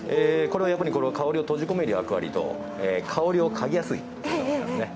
これはやっぱりこの香りを閉じ込める役割と香りを嗅ぎやすい形になってますね。